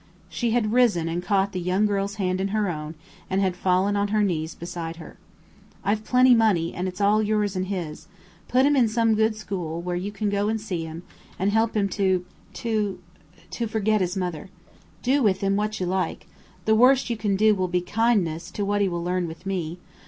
She had risen and caught the young girl's hand in her own, and had fallen on her knees beside her. "I've money plenty, and it's all yours and his. Put him in some good school, where you can go and see him, and help him to to to forget his mother. Do with him what you like. The worst you can do will be kindness to what he will learn with me.